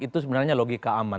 itu sebenarnya logika aman